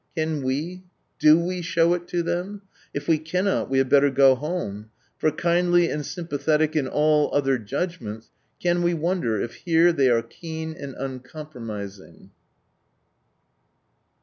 Can we, do we s/um' it tn them ! If we cannot, we had better go home, for, kindly and sympathetic in all other judgments, can we wonder if here they are keen and uncompromising